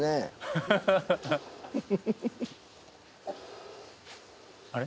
ハハハハあれ？